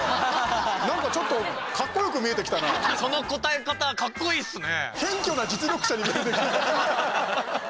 その答え方かっこいいっすね！